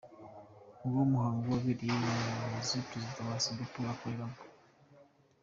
Uwo muhango wabereye mu nzu Perezida wa Singapore akoreramo.